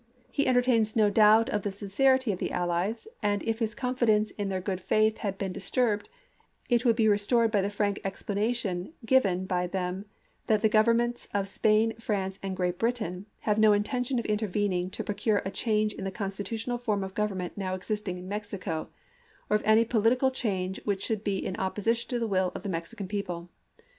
He entertains no doubt of the sincerity of the allies, and if his confidence in their good faith had been disturbed it would be restored by the frank explanation given by them that the governments of Spain, France, and Great Britain have no intention of intervening to procure a change in the constitutional form of government now existing in Mexico, or any political change which should be in opposi tion to the will of the Mexican people.